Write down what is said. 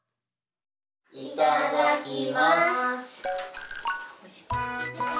いただきます！